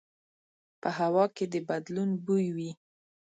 په هوا کې د بدلون بوی وي